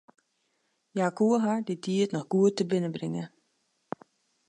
Hja koe har dy tiid noch goed tebinnenbringe.